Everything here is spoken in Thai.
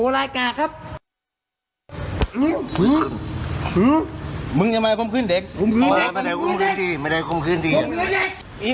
ที่ผมขืนเด็กบ่อฟุฮูกภาพี่ที่ออกข่าวนั้น